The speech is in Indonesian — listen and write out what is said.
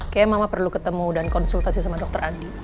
kayaknya mama perlu ketemu dan konsultasi sama dokter adi